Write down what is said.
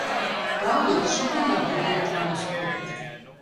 Праўда, і чэмпіянат быў для ветэранаў спорту.